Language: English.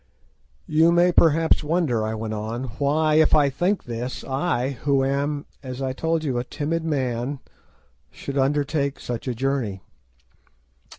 "You may perhaps wonder," I went on, "why, if I think this, I, who am, as I told you, a timid man, should undertake such a journey.